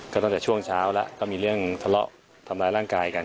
ก็ตั้งแต่ช่วงเช้าแล้วก็มีเรื่องทะเลาะทำร้ายร่างกายกัน